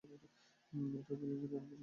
এটা উভয় লিঙ্গের জন্য উপযুক্ত।